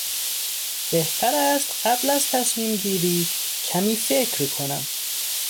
بهتر است قبل از تصمیمگیری کمی فکر کنم.